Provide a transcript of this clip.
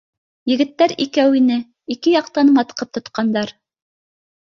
Егеттәр икәү ине, ике яҡтан матҡып тотҡандар